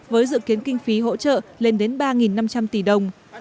với dự kiến kinh phí hỗ trợ lên đến ba năm trăm linh tỷ đồng